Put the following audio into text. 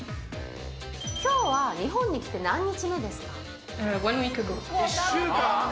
きょうは日本に来て、何日目１週間？